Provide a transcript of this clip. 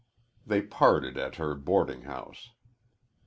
They parted at her boarding house.